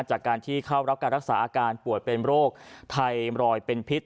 จากการที่เข้ารับการรักษาอาการป่วยเป็นโรคไทมรอยเป็นพิษ